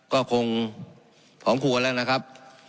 ก็คงพร้อมควรแล้วนะครับ